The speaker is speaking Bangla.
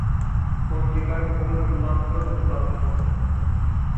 পঞ্জিকার মূল রূপান্তর রূপান্তর।